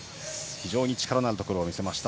非常に力のあるところを見せました。